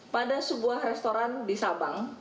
pada sebuah restoran di sabang